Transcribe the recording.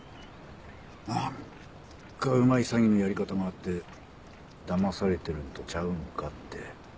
何かうまい詐欺のやり方があってだまされてるんとちゃうんかって。